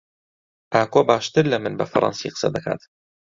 ئاکۆ باشتر لە من بە فەڕەنسی قسە دەکات.